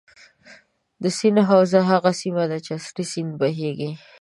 د سیند حوزه هغه سیمه ده چې اصلي سیند بهیږي.